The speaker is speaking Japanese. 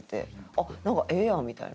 あっなんかええやんみたいな。